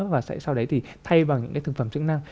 và sau đấy thì thay vào những thực phẩm chức năng